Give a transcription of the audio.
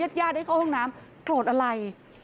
ญาติญาติได้เข้าห้องน้ำโกรธอะไร